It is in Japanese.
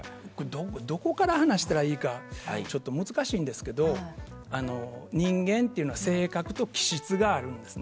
どこから話したらいいか難しいんですけど人間っていうのは性格と気質があるんですね。